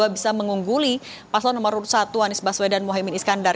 bisa mengungguli paslo nomor urut satu anies baswedan